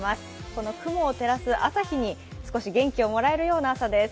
この雲を照らす朝日に少し元気をもらえるような朝です。